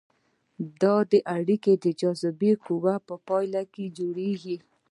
دا اړیکه د جاذبې قوې په پایله کې جوړیږي.